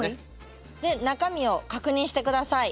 で「中身を確認して下さい」。